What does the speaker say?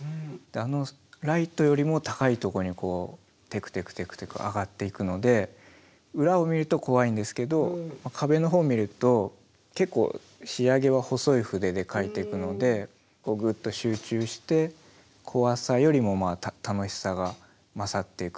あのライトよりも高いとこにテクテクテクテク上がっていくので裏を見ると怖いんですけど壁の方見ると結構仕上げは細い筆で描いていくのでぐっと集中して怖さよりもまあ楽しさが勝っていくっていうか。